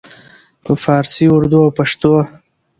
په پارسي، اردو او پښتو